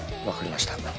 わかりました。